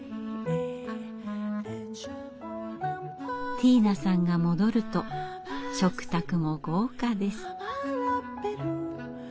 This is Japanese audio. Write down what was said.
ティーナさんが戻ると食卓も豪華です。